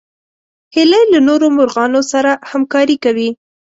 هیلۍ له نورو مرغانو سره همکاري کوي